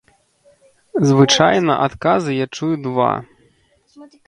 Звычайна адказы я чую два.